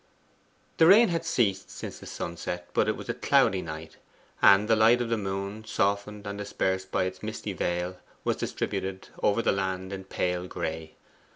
The rain had ceased since the sunset, but it was a cloudy night; and the light of the moon, softened and dispersed by its misty veil, was distributed over the land in pale gray.